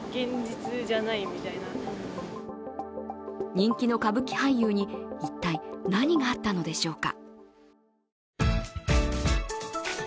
人気の歌舞伎俳優に一体何があったのでしょうか。